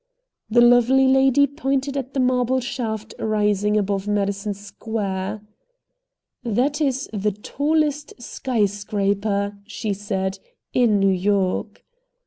The lovely lady pointed at the marble shaft rising above Madison Square. "That is the tallest sky scraper," she said, "in New York."